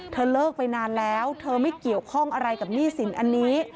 เลิกไปนานแล้วเธอไม่เกี่ยวข้องอะไรกับหนี้สินอันนี้